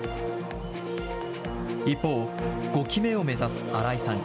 一方、５期目を目指す荒井さん。